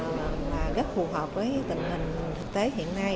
và rất phù hợp với tình hình thực tế hiện nay